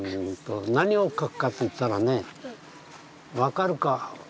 何を描くかといったらね分かるか？